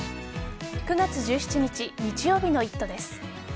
９月１７日日曜日の「イット！」です。